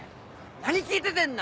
何聞いててんな！